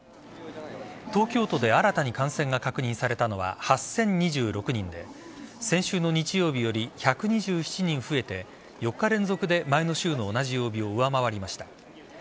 東京都で新たに感染が確認されたのは８０２６人で先週の日曜日より１２７人増えて４日連続で前の週の同じ曜日を上回りました。